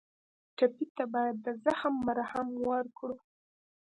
ټپي ته باید د زخم مرهم ورکړو.